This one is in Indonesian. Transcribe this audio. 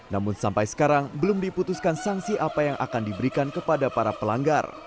namun sampai sekarang belum diputuskan sanksi apa yang akan diberikan kepada para pelanggar